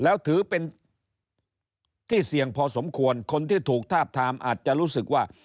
แล้วถือเป็นที่เสี่ยงพอสมควรคนที่ถูกทาบทามอาจจะรู้สึกว่า